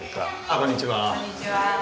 こんにちは。